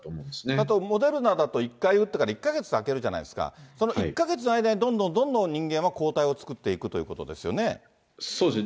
あとモデルナだと、１回打ってから１か月空けるじゃないですか、その１か月の間にどんどんどんどん人間は抗体を作っていくというそうですね。